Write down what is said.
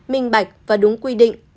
minh bạch và đúng quy định